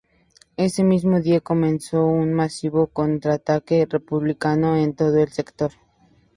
Ese mismo día comenzó un masivo contraataque republicano en todo el sector.